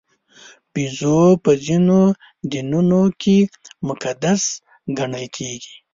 بیزو په ځینو دینونو کې مقدس ګڼل کېږي.